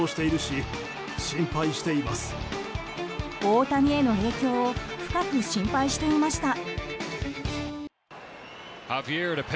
大谷への影響を深く心配していました。